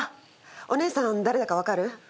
お姉さん誰だか分かる？